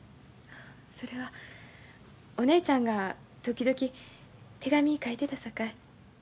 それはお姉ちゃんが時々手紙書いてたさかい。